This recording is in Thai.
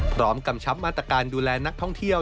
กำชับมาตรการดูแลนักท่องเที่ยว